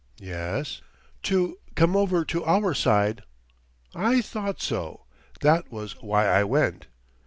"Yes ?" "To come over to our side " "I thought so. That was why I went."